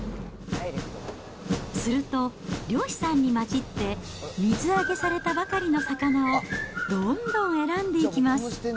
すると、漁師さんに交じって、水揚げされたばかりの魚をどんどん選んでいきます。